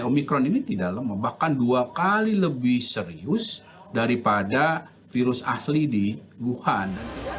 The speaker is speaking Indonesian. omikron ini tidak lemah bahkan dua kali lebih serius daripada virus asli di wuhan